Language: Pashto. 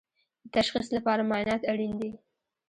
د تشخیص لپاره معاینات اړین دي